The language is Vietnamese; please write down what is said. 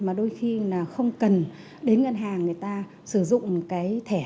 mà đôi khi là không cần đến ngân hàng người ta sử dụng cái thẻ